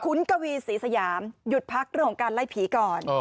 คุณกวีศรีสยามหยุดพักเรื่องของการไล่ผีก่อน